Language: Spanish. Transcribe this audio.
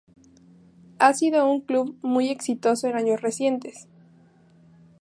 Ha sido un club muy exitoso en años recientes.